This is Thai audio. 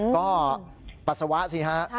ก็ปัสสาวะสิฮะ